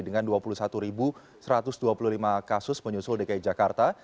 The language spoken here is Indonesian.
dengan dua puluh satu satu ratus dua puluh lima kasus menyusul dki jakarta